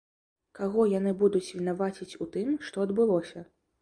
Каго яны будуць вінаваціць у тым, што адбылося?